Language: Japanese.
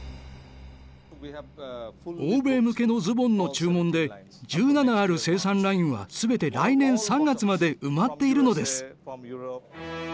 欧米向けのズボンの注文で１７ある生産ラインは全て来年３月まで埋まっているのです。